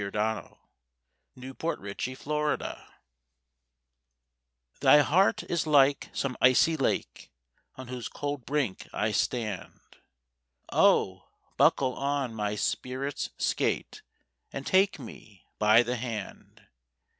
MISS MILES, THE TELEGRAPH GIRL Thy heart is like some icy lake, On whose cold brink I stand; Oh, buckle on my spirit's skate, And take me by the hand!